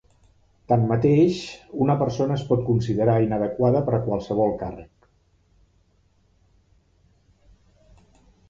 Tanmateix, una persona es pot considerar inadequada per a qualsevol càrrec.